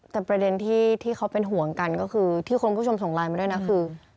แต่ประเด็นที่เขาเป็นห่วงกันก็คือที่คุณผู้ชมส่งไลน์มาด้วยนะคือ